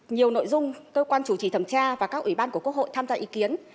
nhiều nội dung cơ quan chủ trì thẩm tra và các ủy ban của quốc hội tham gia ý kiến